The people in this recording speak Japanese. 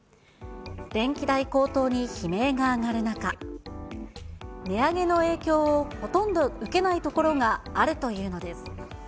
電気代高騰に悲鳴が上がる中、値上げの影響をほとんど受けない所があるというのです。